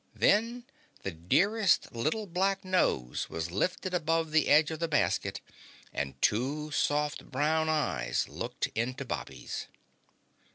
Then the dearest little black nose was lifted above the edge of the basket and two soft brown eyes looked into Bobby's.